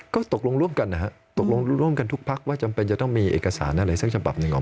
ก็ตกลงร่วมกันทุกพักว่าจำเป็นจะต้องมีเอกสารอะไรสักฉบับหนึ่งออกมา